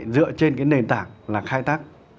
dựa trên cái nền tảng là khai tác